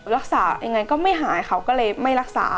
รักษายังไงก็ไม่หายเขาก็เลยไม่รักษา